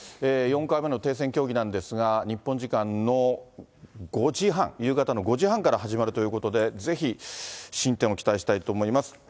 ４回目の停戦協議なんですが、日本時間の５時半、夕方の５時半から始まるということで、ぜひ進展を期待したいと思います。